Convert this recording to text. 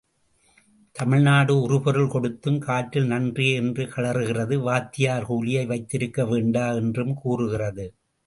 தமிழ்நாடு, உறுபொருள் கொடுத்தும் கற்றல் நன்றே என்று கழறுகிறது வாத்தியார் கூலியை வைத்திருக்க வேண்டா என்றும் கூறுகிறது.